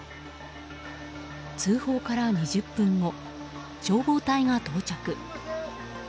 通報から２０分後消防隊が到着。